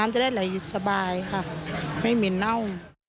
ฮันจะได้เหล่าสบายครับไม่มีเน่า